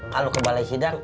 kalo ke balai sidang